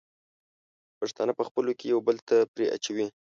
پښتانه په خپلو کې یو بل ته پړی اچوي.